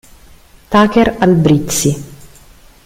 Tucker Albrizzi